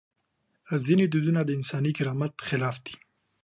ځینې دودونه د انساني کرامت خلاف دي.